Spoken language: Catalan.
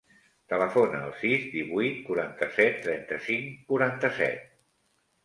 Telefona al sis, divuit, quaranta-set, trenta-cinc, quaranta-set.